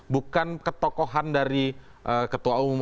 bukan ketokohan dari ketua umum